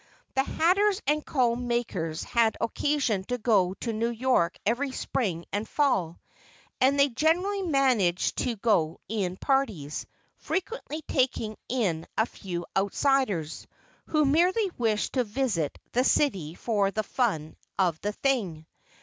The hatters and comb makers had occasion to go to New York every spring and fall, and they generally managed to go in parties, frequently taking in a few "outsiders," who merely wished to visit the city for the fun of the thing.